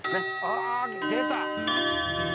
あ出た！